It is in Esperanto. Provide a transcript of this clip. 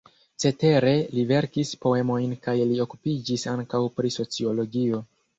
Cetere li verkis poemojn kaj li okupiĝis ankaŭ pri sociologio.